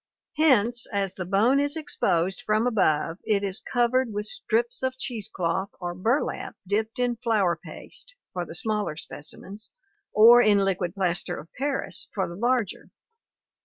Hence as the bone is exposed from above it is covered with strips of cheesecloth or burlap dipped in flour paste for the smaller specimens or in liquid plaster of paris for the larger.